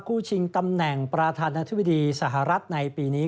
ชิงตำแหน่งประธานาธิบดีสหรัฐในปีนี้